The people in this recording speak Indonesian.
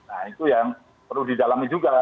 nah itu yang perlu didalami juga